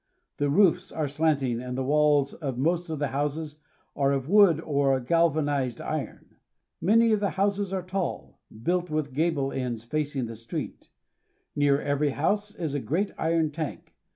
The roofs are slanting, and the walls of most of the houses are of wood or galvanized iron. Many of the houses are tall, 348 THE GUIANAS. built with gable ends facing the street. Near every house is a great iron tank.